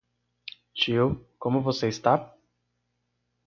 Tio como você está?